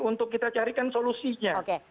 untuk kita carikan solusinya